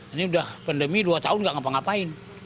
ini udah pandemi dua tahun nggak ngapa ngapain